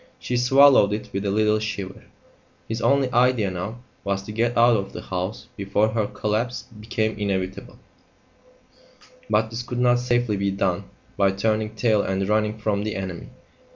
She swallowed it with a little shiver. His only idea now was to get out of the house before her collapse became inevitable; but this could not safely be done by turning tail and running from the enemy.